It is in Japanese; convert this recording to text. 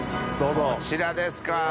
こちらですか。